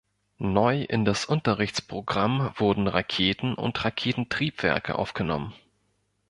Neu in das Unterrichtsprogramm wurden Raketen und Raketentriebwerke aufgenommen.